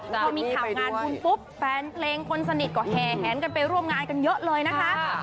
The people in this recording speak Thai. พอมีข่าวงานบุญปุ๊บแฟนเพลงคนสนิทก็แห่แหนกันไปร่วมงานกันเยอะเลยนะคะ